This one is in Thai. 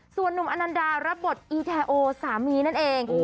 ส่วนนุ่มอนันดารับบทอีแทโอสามีนั่นเอง